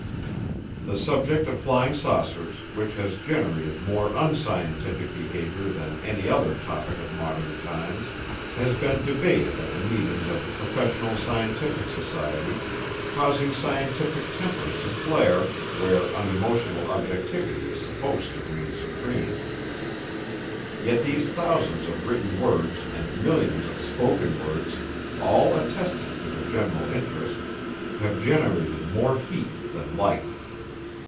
The subject of flying saucers, which has generated more unscientific behavior than any other topic of modern times, has been debated at the meetings of professional scientific societies, causing scientific tempers to flare where unemotional objectivity is supposed to reign supreme. Yet these thousands of written words and millions of spoken words all attesting to the general interest have generated more heat than light.